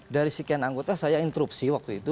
dari sekian anggota saya interupsi